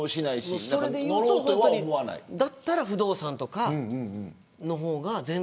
だったら不動産とかの方が。